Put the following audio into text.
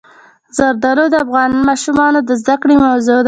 زردالو د افغان ماشومانو د زده کړې موضوع ده.